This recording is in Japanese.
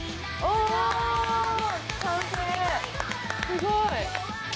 すごい！